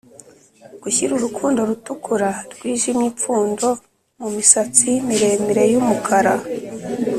gushyira urukundo rutukura rwijimye-ipfundo mumisatsi miremire yumukara.